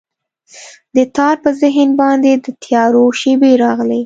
د تار په ذهن باندې، د تیارو شپې راغلي